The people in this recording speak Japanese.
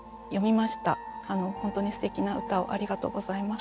本当にすてきな歌をありがとうございます。